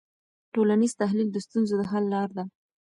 ټولنیز تحلیل د ستونزو د حل لاره ده.